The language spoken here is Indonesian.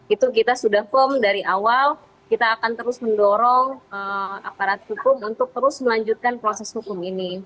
itu kita sudah firm dari awal kita akan terus mendorong aparat hukum untuk terus melanjutkan proses hukum ini